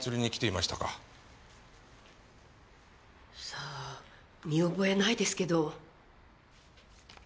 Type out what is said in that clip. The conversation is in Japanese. さあ見覚えないですけど。